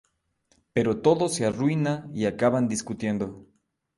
Pero todo se arruina y acaban discutiendo.